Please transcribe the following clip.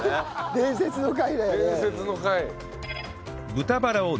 伝説の回。